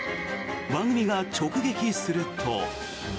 番組が直撃すると。